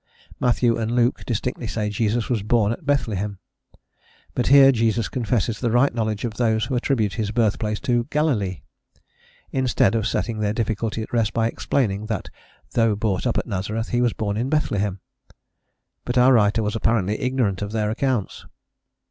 Matthew and Luke distinctly say Jesus was born at Bethlehem; but here Jesus confesses the right knowledge of those who attribute his birthplace to Galilee, instead of setting their difficulty at rest by explaining that though brought up at Nazareth, he was born in Bethlehem. But our writer was apparently ignorant of their accounts.